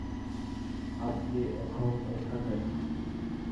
আপনি এখন এখানে।